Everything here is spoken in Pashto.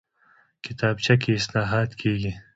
کتابچه کې اصلاحات کېږي